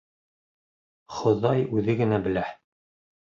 Хоҙай үҙе генә белә.